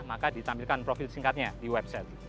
maka ditampilkan profil singkatnya di website